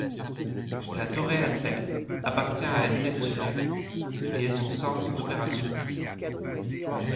La Torre Entel appartient à Entel Chile et est son centre d'opérations.